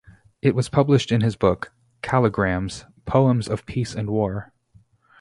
It was published in his book "Calligrammes: Poems of Peace and War".